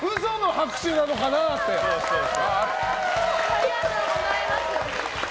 ありがとうございます。